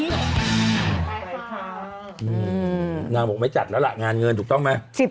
ขอบคุณครับอืมนางบอกไม่จัดแล้วล่ะงานเงินถูกต้องไหม